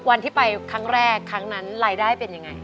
วันที่ไปครั้งแรกครั้งนั้นรายได้เป็นยังไง